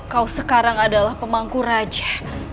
kau sekarang adalah pemangku raja